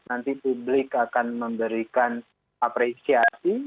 nanti publik akan memberikan apresiasi